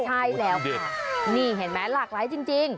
ใช่แล้วค่ะนี่เห็นไหมหลากหลายจริง